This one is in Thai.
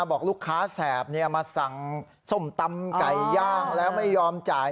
บอกลูกค้าแสบมาสั่งส้มตำไก่ย่างแล้วไม่ยอมจ่าย